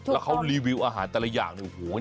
แล้วเขารีวิวอาหารแต่ละอย่างโอ้โห